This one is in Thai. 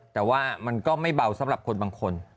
แต่ว่ามันก็ไม่เบาสำหรับคนบางคน